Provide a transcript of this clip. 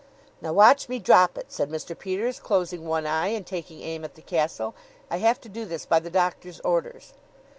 "Now watch me drop it," said Mr. Peters, closing one eye and taking aim at the castle. "I have to do this by the doctor's orders."